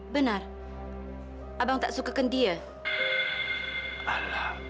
benar abang tak sukakan dia